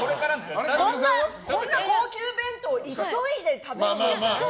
こんな高級弁当急いで食べるもんじゃない。